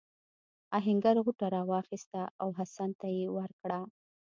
آهنګر غوټه راواخیسته او حسن ته یې ورکړه.